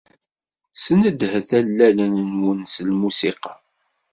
Snedhet allalen-nwen n lmusiqa.